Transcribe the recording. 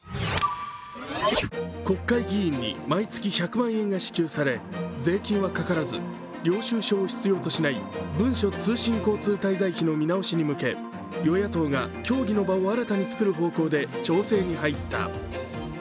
国会議員に毎月１００万円が支給され税金はかからず領収書を必要としない文書通信交通滞在費の見直しに向け、与野党が協議の場を新たに作る方向で調整に入った。